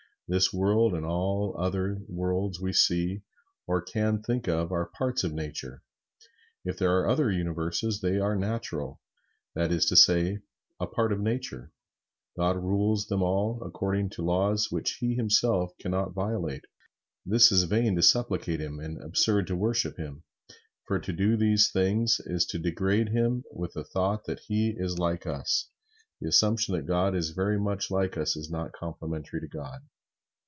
This world and all other worlds we see or can think of are parts of Nature. If there are other Universes, they are natural; that is to say, a part of Nature. God rules them all according to laws which He Himself can not violate. It is vain to supplicate Him, and absurd to worship Him, for to do these things is to degrade Him with the thought that He is like us. The assumption that God is very much like us is not complimentary to God.